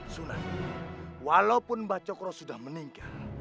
sunan walaupun mbak cokro sudah meninggal